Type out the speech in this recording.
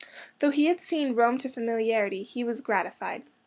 Though he had seen Rome to familiarity, he was gratified.